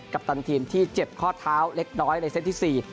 ปตันทีมที่เจ็บข้อเท้าเล็กน้อยในเซตที่๔